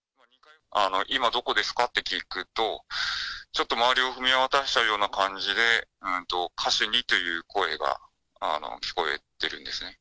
今どこですか？って聞くと、ちょっと周りを見渡したような感じで、カシュニという声が聞こえてるんですね。